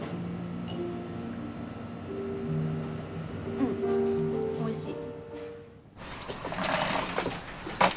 うんおいしい。